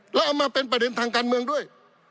แล้วเอามาเป็นประเด็นทางการเมืองด้วย